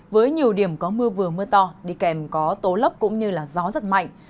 với nhiều điểm có mưa vừa mưa to đi kèm có tố lốc cũng như gió rất mạnh